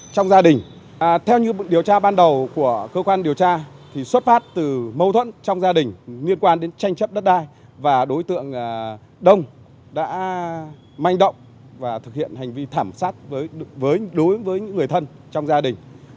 trong gia đình theo như điều tra ban đầu của cơ quan điều tra thì xuất phát từ mâu thuẫn trong gia đình liên quan đến tranh chấp đất đai và đối tượng đông đã manh động và thực hiện hành vi thảm sát đối với những người thân trong gia đình